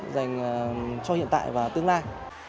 dành cho hiện tại và tương lai